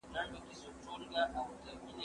هغه څوک چي درسونه لوستل کوي پوهه زياتوي؟